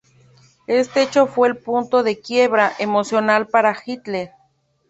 Este hecho fue el punto de quiebra emocional para Hitler.